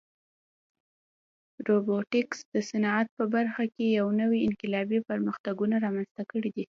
روبوټیکس د صنعت په برخه کې نوې انقلابي پرمختګونه رامنځته کړي دي.